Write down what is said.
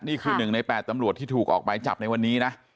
นี่คือ๑ใน๘ตำรวจที่ถูกออกหมายจับในวันนี้นะ